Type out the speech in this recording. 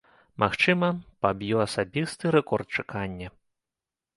Магчыма, паб'ю асабісты рэкорд чакання.